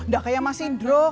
gak kayak mas indro